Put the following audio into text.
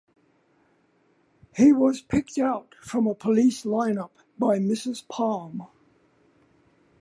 He was picked out from a police lineup by Mrs Palme.